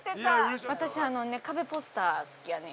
私あのねカベポスター好きやねん。